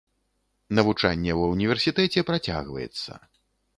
Навучанне ва ўніверсітэце працягваецца.